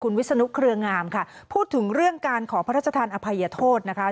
วิศนุเครืองามค่ะพูดถึงเรื่องการขอพระราชทานอภัยโทษนะคะ